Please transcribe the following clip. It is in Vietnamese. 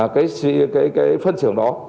cái phân xưởng đó